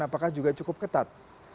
apakah juga cukup ketat